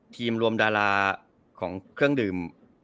รวมดาราของเครื่องดื่ม